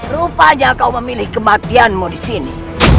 rupanya kau memilih kematianmu disini